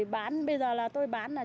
bán bây giờ là tôi bán là